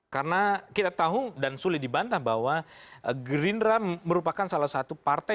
karena kita tahu dan sulit dibantah bahwa green ram merupakan salah satu partai